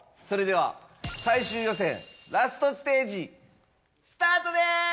それでは最終予選ＬＡＳＴステージスタートです！